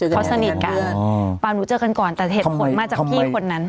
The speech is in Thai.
เขาสนิทกันเปล่าหนูเจอกันก่อนแต่เหตุผลมาจากพี่คนนั้น